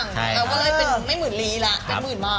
แล้วก็เลยเป็นไม่หมื่นลีแหละ